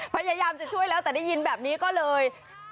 พยายามจะช่วยแล้วแต่ได้ยินแบบนี้ก็เลย